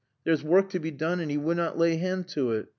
There's work to be doon and 'e wunna lay haand to it.